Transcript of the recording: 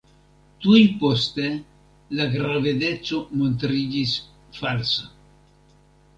Tuj poste, la gravedeco montriĝis falsa.